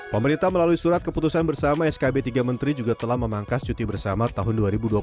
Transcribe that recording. pemerintah melalui surat keputusan bersama skb tiga menteri juga telah memangkas cuti bersama tahun dua ribu dua puluh satu